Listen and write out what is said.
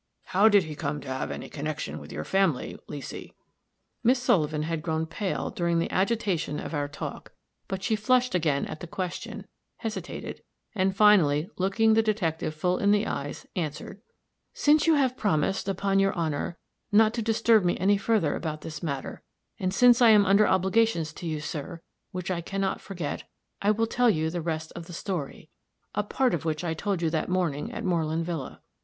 "How did he come to have any connection with your family, Leesy?" Miss Sullivan had grown pale during the agitation of our talk, but she flushed again at the question, hesitated, and finally, looking the detective full in the eyes, answered: "Since you have promised, upon your honor, not to disturb me any further about this matter, and since I am under obligations to you, sir, which I can not forget, I will tell you the rest of the story, a part of which I told you that morning at Moreland villa.